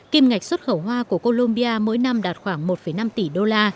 kim ngạch xuất khẩu hoa của colombia mỗi năm đạt khoảng một triệu